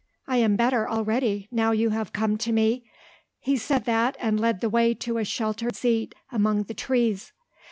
"I am better already, now you have come to me." He said that, and led the way to a sheltered seat among the trees.